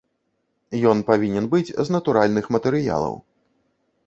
Ён павінен быць з натуральных матэрыялаў.